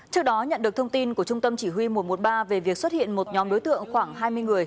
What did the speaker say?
trước đó nhận được thông tin của trung tâm chỉ huy một trăm một mươi ba về việc xuất hiện một nhóm đối tượng khoảng hai mươi người